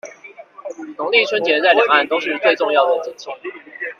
農曆春節在兩岸都是最重要的節慶